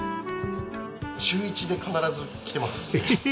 週１で必ず来てます。